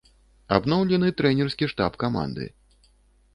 Абноўлены трэнерскі штаб каманды.